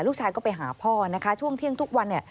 ลูกชายก็ไปหาพ่อนะคะช่วงเที่ยงทุกวัน